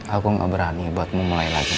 aku gak berani buat memulai lagi